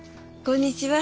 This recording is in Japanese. こんにちは。